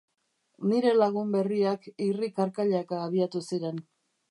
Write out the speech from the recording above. Nire lagun berriak irri-karkailaka abiatu ziren.